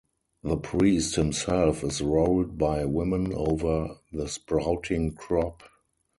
The priest himself is rolled by women over the sprouting crop.